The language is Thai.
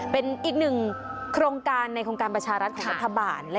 เป็นอีกหนึ่งโครงการในโครงการประชารัฐของรัฐบาล